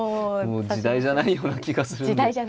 もう時代じゃないような気がするんで。